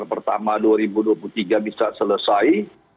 pertama dua ribu dua puluh tiga bisa selesai